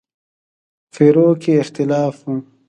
فروع کې اختلاف و.